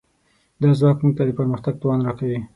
دا ځواک موږ ته د پرمختګ توان راکوي.